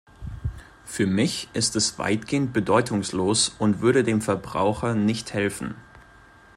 Für mich ist es weitgehend bedeutungslos und würde dem Verbraucher nicht helfen.